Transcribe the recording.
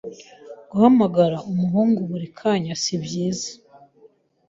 guhamagara umuhungu buri kanya sibyiza